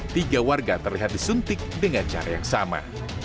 tiga warga terlihat disuntik dengan cara yang sama